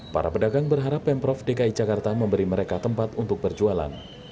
para pedagang berharap pemprov dki jakarta memberi mereka tempat untuk berjualan